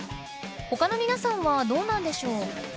他の皆さんはどうなんでしょう？